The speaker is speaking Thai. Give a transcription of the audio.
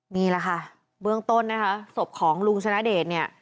นี่แหละค่ะเบื้องต้นนะคะศพของลุงชนะเดชเนี่ย